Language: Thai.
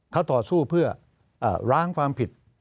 เขาต่อสู้เพื่อร้างความผิด